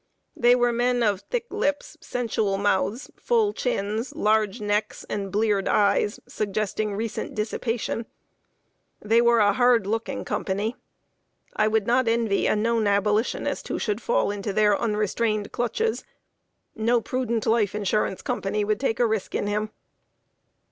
They were men of thick lips, sensual mouths, full chins, large necks, and bleared eyes, suggesting recent dissipation. They were a "hard looking" company. I would not envy a known Abolitionist who should fall into their unrestrained clutches. No prudent life insurance company would take a risk in him.